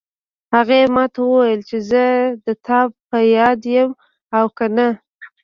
هغې ما ته وویل چې زه د تا په یاد یم او که نه